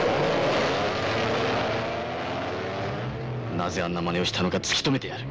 なぜあんなまねをしたのか突き止めてやる！